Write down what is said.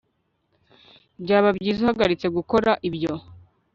byaba byiza uhagaritse gukora ibyo